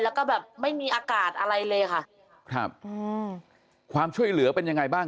แล้วก็แบบไม่มีอากาศอะไรเลยค่ะครับอืมความช่วยเหลือเป็นยังไงบ้าง